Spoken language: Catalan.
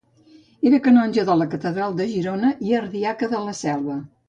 Era canonge de la Catedral de Girona i Ardiaca de la Selva.